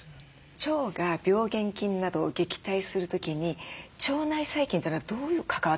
腸が病原菌などを撃退する時に腸内細菌というのはどう関わってくるんでしょうか？